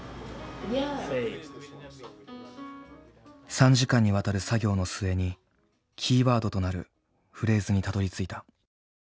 ３時間にわたる作業の末にキーワードとなるフレーズにたどりついた。